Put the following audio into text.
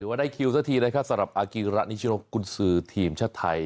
ว่าได้คิวสักทีนะครับสำหรับอากิระนิชโนกุญสือทีมชาติไทย